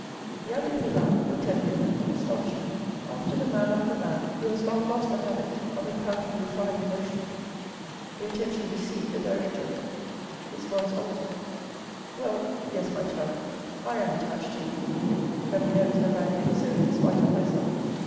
The abbe Pirard looked at him in astonishment, after the manner of a man who has long lost the habit of encountering 204 THE RED AND THE BLACK refined emotions. The attention deceived the director. His voice altered. " Well yes, my child, I am attached to you. Heaven knows that I have been so in spite of myself.